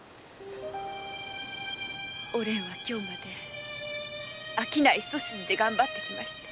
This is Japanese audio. おれんは今日まで商い一筋にがんばってきました。